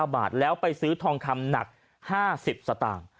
บาทแล้วไปซื้อทองคำหนัก๕๐สตางค์